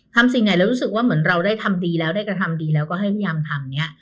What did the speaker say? สิ่งไหนแล้วรู้สึกว่าเหมือนเราได้ทำดีแล้วได้กระทำดีแล้วก็ให้พยายามทำเนี่ย